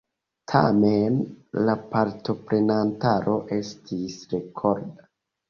Tamen la partoprenantaro estis rekorda.